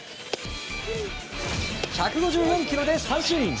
１５４キロで三振！